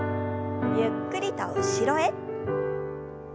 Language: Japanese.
ゆっくりと後ろへ。